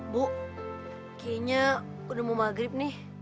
bu kayaknya udah mau maghrib nih